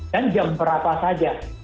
dan jam berapa saja